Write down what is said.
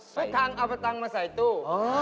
พุทธทางเอาเงินมาใส่ตู้